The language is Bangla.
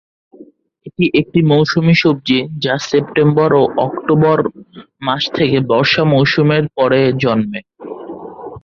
এটি একটি মৌসুমী সবজি যা সেপ্টেম্বর ও অক্টোবর মাস থেকে বর্ষা মৌসুমের পরে জন্মে।